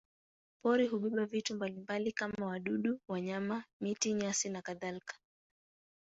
Pori hubeba vitu mbalimbali kama wadudu, wanyama, miti, nyasi nakadhalika.